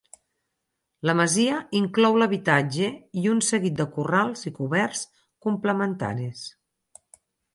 La masia inclou l'habitatge i un seguit de corrals i coberts complementaris.